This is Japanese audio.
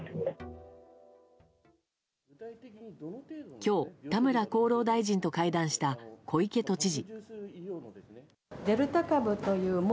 今日、田村厚労大臣と会談した小池都知事。